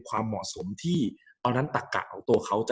กับการสตรีมเมอร์หรือการทำอะไรอย่างเงี้ย